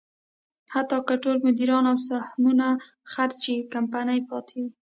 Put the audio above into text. حتی که ټول مدیران او سهمونه خرڅ شي، کمپنۍ پاتې وي.